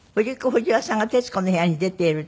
不二雄さんが『徹子の部屋』に出ているって。